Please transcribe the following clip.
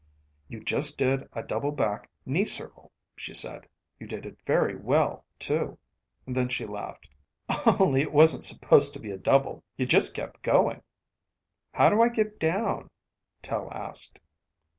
"You just did a double back knee circle," she said, "You did it very well too." Then she laughed. "Only it wasn't supposed to be double. You just kept going." "How do I get down?" Tel asked.